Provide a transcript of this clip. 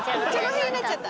平になっちゃった。